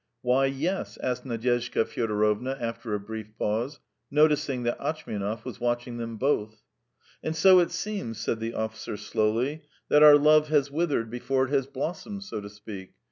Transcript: "Why 'yes'?" asked Nadyezhda Fyodorovna after a brief pause, noticing that Atchmianov was watching them both. "And so it seems," said the officer, slowly, "that our love has withered before it has blossomed, so to speak.